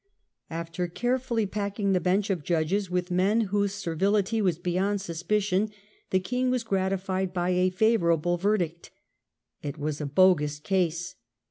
After carefully packing the bench of judges with men whose servility was beyond suspicion, the king was gratified by a favourable verdict. It was a bogus case.